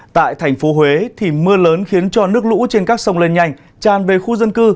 tại thành phố huế thì mưa lớn khiến cho nước lũ trên các sông lên nhanh tràn về khu dân cư